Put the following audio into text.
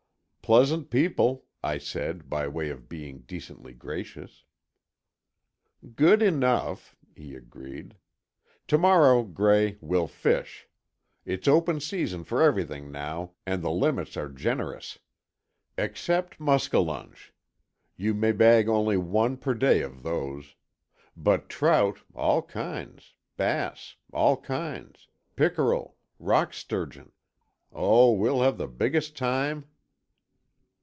"Pleasant people," I said, by way of being decently gracious. "Good enough," he agreed. "To morrow, Gray, we'll fish. It's open season for everything now and the limits are generous. Except muskellonge. You may bag only one per day of those. But trout, all kinds, bass, all kinds, pickerel, rock sturgeon—oh, we'll have the biggest time!"